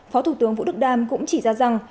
phó thủ tướng vũ đức đam cũng chỉ ra rằng